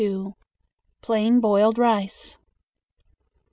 Plain Boiled Rice.